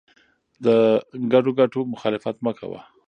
د ګډو ګټو مخالفت مه کوه.